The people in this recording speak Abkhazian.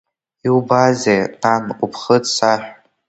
Иубазе, нан, уԥхыӡ саҳә!